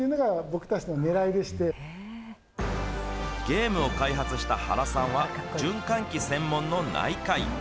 ゲームを開発した原さんは、循環器専門の内科医。